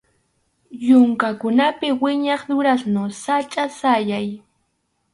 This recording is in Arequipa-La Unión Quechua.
Yunkakunapi wiñaq durazno sachʼa sayay.